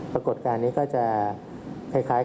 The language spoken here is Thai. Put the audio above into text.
ปรากฏการณ์นี้ก็จะคล้าย